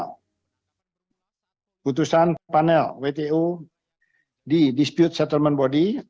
keputusan panel wto di dispute settlement body